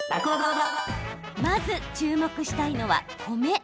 まず注目したいのは米。